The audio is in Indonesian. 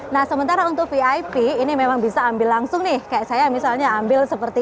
nah sementara untuk vip ini memang bisa ambil langsung nih kayak saya misalnya ambil seperti